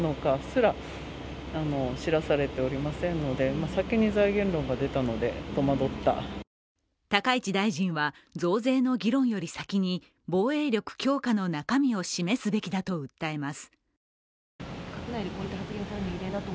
今日、大臣に尋ねると高市大臣は、増税の議論より先に防衛力強化の中身を示すべきだと訴えます。